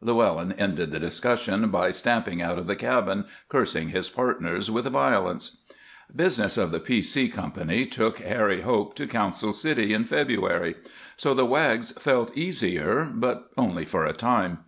Llewellyn ended the discussion by stamping out of the cabin, cursing his partners with violence. Business of the P. C. Company took Harry Hope to Council City in February; so the Wags felt easier but only for a time.